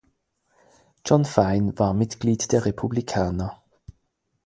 John Fine war Mitglied der Republikaner.